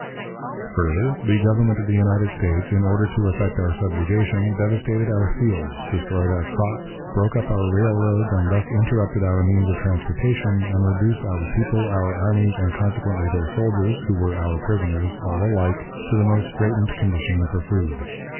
Further, the Government of the United States, in order to effect our subjugation, devastated our fields, destroyed our crops, broke up our railroads, and thus interrupted our means of transportation, and reduced our people, our armies, and consequently their soldiers, who were our prisoners, all alike, to the most straitened condition for food.